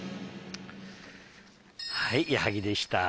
はい矢作でした。